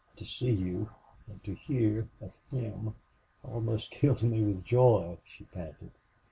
To see you and to hear of him almost killed me with joy," she panted.